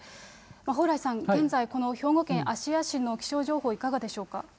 蓬莱さん、現在、この兵庫県芦屋市の気象情報、いかがでしょうか。